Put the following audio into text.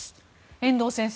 遠藤先生